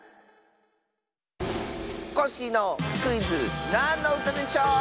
コッシーのクイズ「なんのうたでしょう」！